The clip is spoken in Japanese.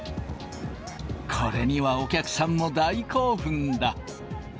これにはお客さんも大興奮だ。